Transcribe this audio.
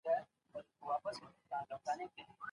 دولتي پوهنتون سمدلاسه نه تطبیقیږي.